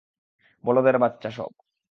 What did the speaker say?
বলদের বাচ্চা সব!